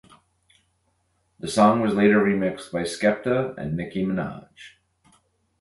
The song was later remixed by Skepta and Nicki Minaj.